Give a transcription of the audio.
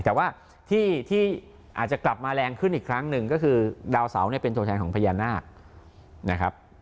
แต่ว่าที่อาจจะกลับมาแรงขึ้นอีกครั้งหนึ่งก็คือดาวเสาเนี่ยเป็นตัวแทนของพญานาคนะครับ